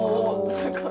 すごい。